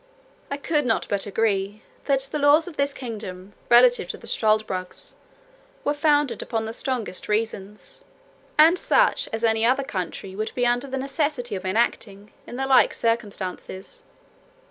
I could not but agree, that the laws of this kingdom relative to the struldbrugs were founded upon the strongest reasons, and such as any other country would be under the necessity of enacting, in the like circumstances.